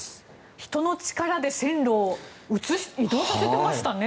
人の力で線路を移動させてましたね。